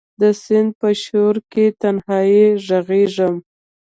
د سیند په شو رکې تنهایې ږغیږې